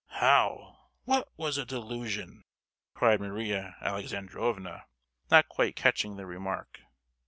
"How! What was a delusion?" cried Maria Alexandrovna, not quite catching the remark.